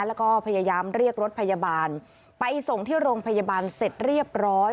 แล้วก็พยายามเรียกรถพยาบาลไปส่งที่โรงพยาบาลเสร็จเรียบร้อย